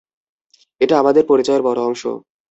এটা আমাদের পরিচয়ের বড় অংশ।